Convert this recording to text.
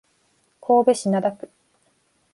神戸市灘区